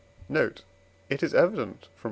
Note. It is evident, from IV.